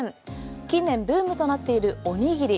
近年ブームとなっているおにぎり。